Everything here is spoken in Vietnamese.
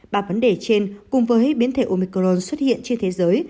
ba vấn đề trên cùng với biến thể omicron xuất hiện trên thế giới